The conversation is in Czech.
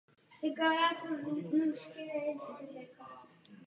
Tím získal Antiochos nad městem stálou kontrolu.